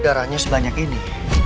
darahnya sebanyak ini